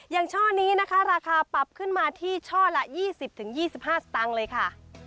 ช่อนี้นะคะราคาปรับขึ้นมาที่ช่อละ๒๐๒๕สตางค์เลยค่ะ